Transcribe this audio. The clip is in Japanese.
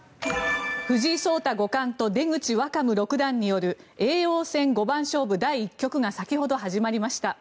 藤井聡太五冠と出口若武六段による叡王戦五番勝負第１局が先ほど始まりました。